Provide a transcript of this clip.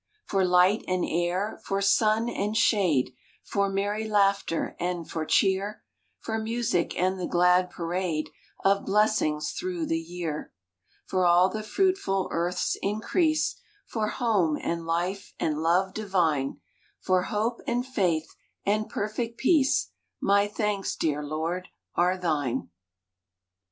For light and air, for sun and shade, For merry laughter and for cheer; For music and the glad parade Of blessings through the year; For all the fruitful earth s increase, For home, and life, and love divine, For hope, and faith, and perfect peace, My thanks, dear Lord, are Thine